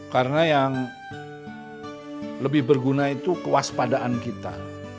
karena yang lebih berguna itu kewaspadaan kita